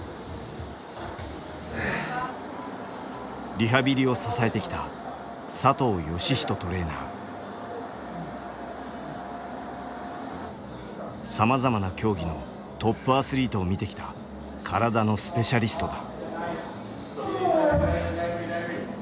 リハビリを支えてきたさまざまな競技のトップアスリートを見てきた体のスペシャリストだ。